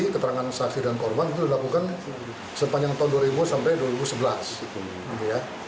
keterangan saksi dan korban itu dilakukan sepanjang tahun dua ribu sampai dua ribu sebelas